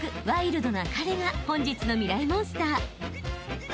ワイルドな彼が本日のミライ☆モンスター］